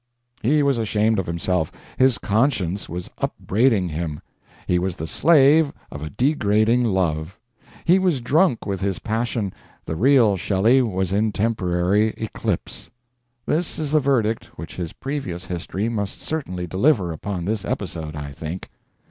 He was ashamed of himself, his conscience was upbraiding him. He was the slave of a degrading love; he was drunk with his passion, the real Shelley was in temporary eclipse. This is the verdict which his previous history must certainly deliver upon this episode, I think.